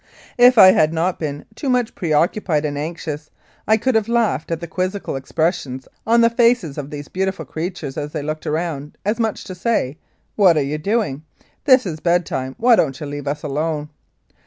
If I had not been too much preoccupied and anxious, I could have laughed at the quizzical expression on the faces of these beautiful creatures as they looked round, as much as to say :" What are you doing ? This is bedtime; why don't you leave us alone?"